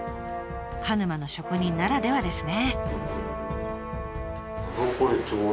鹿沼の職人ならではですね。